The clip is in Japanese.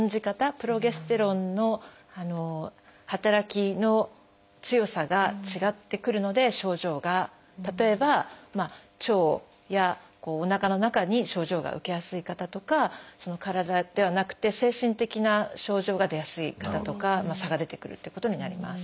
プロゲステロンの働きの強さが違ってくるので症状が例えば腸やおなかの中に症状が受けやすい方とか体ではなくて精神的な症状が出やすい方とか差が出てくるってことになります。